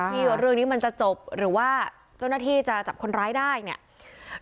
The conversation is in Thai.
ที่เรื่องนี้มันจะจบหรือว่าเจ้าหน้าที่จะจับคนร้ายได้เนี่ย